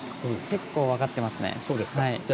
結構、分かってますね。